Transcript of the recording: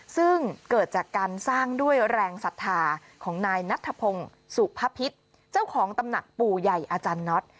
ซึ่งเกิดจากการสร้างด้วยแรงศรัทธาของนายนัทพงศ์สุภพิษเจ้าของตำหนักปู่ใหญ่อาจารย์น็อต